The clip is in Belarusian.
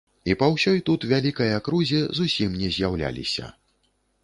І па ўсёй тут вялікай акрузе зусім не з'яўляліся.